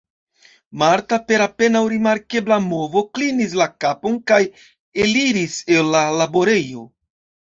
Marta per apenaŭ rimarkebla movo klinis la kapon kaj eliris el la laborejo.